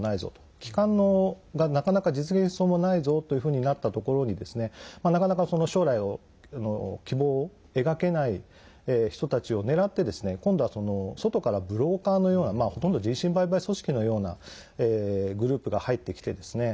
帰還が、なかなか実現しそうもないぞというふうになったところになかなか、その将来の希望を描けない人たちを狙って今度は外からブローカーのようなほとんど人身売買組織のようなグループが入ってきてですね。